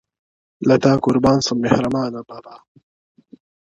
له تا قربان سم مهربانه بابا٫